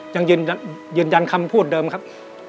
ยังยืนยันคำพูดเดิมครับ